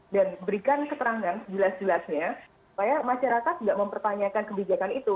dan berikan keterangan jelas jelasnya supaya masyarakat nggak mempertanyakan kebijakan itu